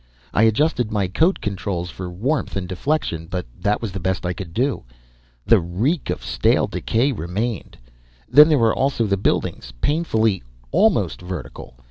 I adjusted my coat controls for warmth and deflection, but that was the best I could do. The reek of stale decay remained. Then there were also the buildings, painfully almost vertical.